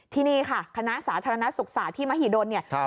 ทีนี้ค่ะคณะสาธารณสุขศาสตร์ที่มหาวิทยาลัยมหิดล